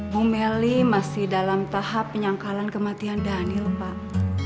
bu melly masih dalam tahap penyangkalan kematian daniel pak